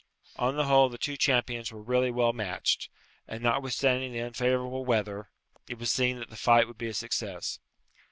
On the whole, the two champions were really well matched; and, notwithstanding the unfavourable weather, it was seen that the fight would be a success.